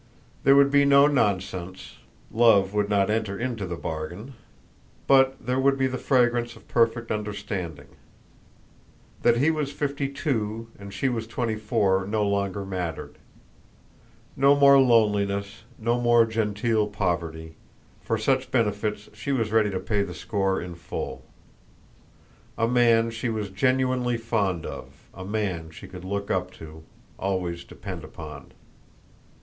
There would be no nonsense; love would not enter into the bargain; but there would be the fragrance of perfect understanding. That he was fifty two and she was twenty four no longer mattered. No more loneliness, no more genteel poverty; for such benefits she was ready to pay the score in full. A man she was genuinely fond of, a man she could look up to, always depend upon.